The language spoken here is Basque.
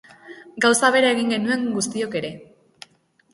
Gauza bera egin genuen guztiok ere.